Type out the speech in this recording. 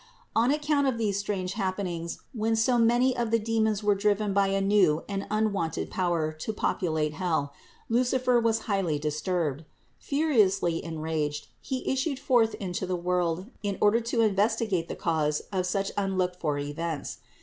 648. On account of these strange happenings when so many of the demons were driven by a new and unwonted power to populate hell, Lucifer was highly disturbed. Furiously enraged, He issued forth into the world in order to investigate the cause of such unlocked for events.